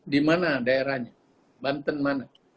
di mana daerahnya banten mana